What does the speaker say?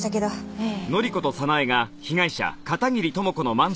ええ。